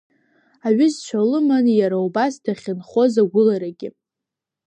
Аҩызцәа лыман иара убас дахьынхоз, агәыларагьы.